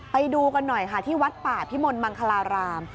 ไปดูกันหน่อยค่ะที่วัดป่าพิมลมังคลาราม